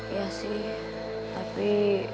iya sih tapi